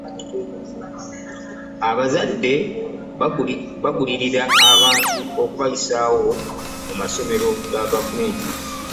abazadde bagulirira abantu okubayisaawo mu masomero ga gavumenti.